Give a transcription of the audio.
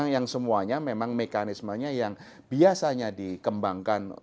yang semuanya memang mekanismenya yang biasanya dikembangkan